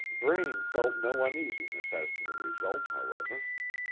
Braine felt no uneasiness as to the result, however.